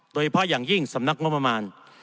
โดยเพราะอย่างยิ่งสำนักงบมาม่าน